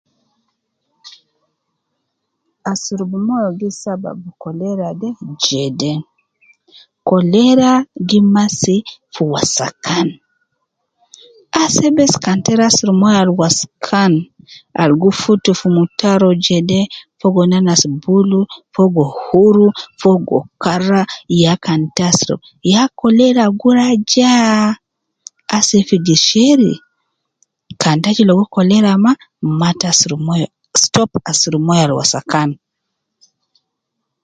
Cholera sokol taulan aju mahal al waskan, cholera bakan al moyo gi futu waskan ,mahal al fogo kara, mahal al gi adul seme ma ,mahal de kulu bes bakan kan waskan,100% cholera gi amsuku